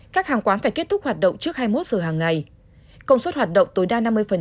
các hàng quán phải kết thúc hoạt động trước hai mươi một giờ hàng ngày công suất hoạt động tối đa năm mươi